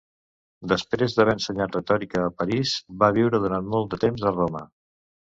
Després d'haver ensenyat retòrica a París, va viure durant molt de temps a Roma.